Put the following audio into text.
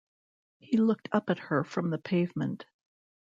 He looked up at her from the pavement.